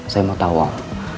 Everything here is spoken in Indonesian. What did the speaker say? saya mau tahu om